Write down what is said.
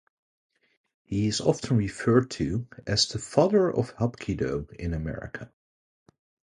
He is often referred to as the "Father of Hapkido" in America.